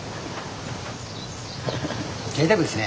ぜいたくですね。